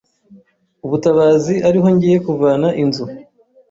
ubutabazi ariho ngiye kuvana inzu,